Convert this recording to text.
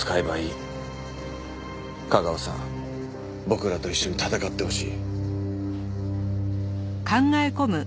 架川さん僕らと一緒に戦ってほしい。